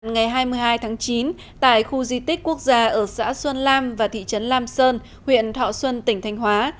ngày hai mươi hai tháng chín tại khu di tích quốc gia ở xã xuân lam và thị trấn lam sơn huyện thọ xuân tỉnh thanh hóa